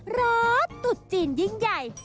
รอตุดจีนยิ่งใหญ่